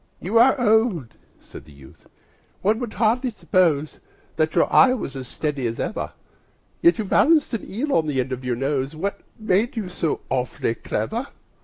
"You are old," said the youth, "one would hardly suppose That your eye was as steady as ever; Yet you balanced an eel on the end of your nose What made you so awfully clever?"